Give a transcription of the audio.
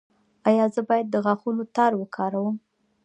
ایا زه باید د غاښونو تار وکاروم؟